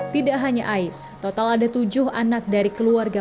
tidak hanya ais total ada tujuh anak dari keluarga